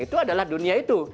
itu adalah dunia itu